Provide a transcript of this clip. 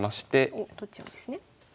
おっ取っちゃうんですね。